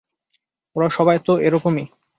ওরা সবাই তো এরকমই।